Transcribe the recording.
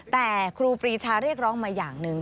แต่ครูปรีชาเรียกร้องมาอย่างหนึ่ง